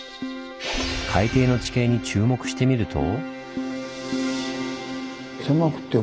海底の地形に注目してみると。